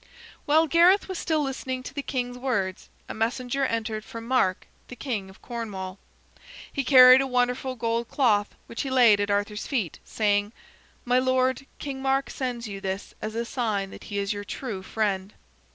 While Gareth was still listening to the king's words, a messenger entered from Mark, the king of Cornwall. He carried a wonderful gold cloth which he laid at Arthur's feet, saying: "My lord, King Mark sends you this as a sign that he is your true friend."